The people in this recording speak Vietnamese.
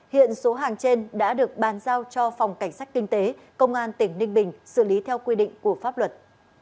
hiện số hàng trên đã được bàn giao cho phòng cảnh sát kinh tế công an tỉnh ninh bình xử lý theo quy định của pháp luật